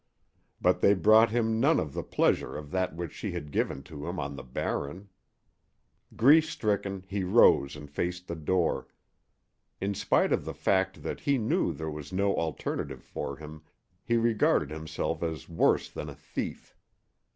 But they brought him none of the pleasure of that which she had given to him on the Barren. Grief stricken, he rose and faced the door. In spite of the fact that he knew there was no alternative for him, he regarded himself as worse than a thief.